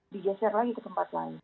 digeser lagi ke tempat lain